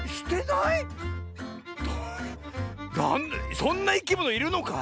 そんないきものいるのかい？